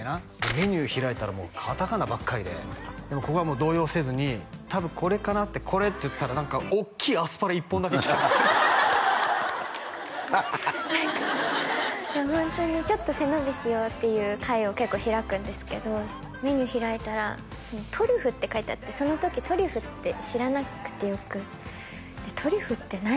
メニュー開いたらカタカナばっかりででもここはもう動揺せずに多分これかなって「これ」って言ったら何かおっきいアスパラ１本だけ来たっつって何かいやホントにちょっと背伸びしようっていう会を結構開くんですけどメニュー開いたら「トリュフ」って書いてあってその時トリュフって知らなくてよくでトリュフって何？